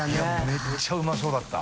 めっちゃうまそうだった。